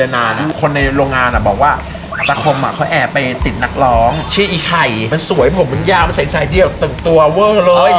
ยามใช้ไจน์เดียวตึงตัวเว่อะรึย